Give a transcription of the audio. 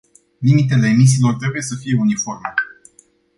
Limitele emisiilor trebuie să fie uniforme.